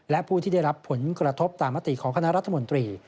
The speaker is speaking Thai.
และผู้ที่ได้รับผลกระทบตามมติของคณะรัฐมนตรี